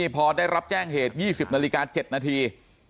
พอได้รับแจ้งเหตุ๒๐นาฬิกา๗นาที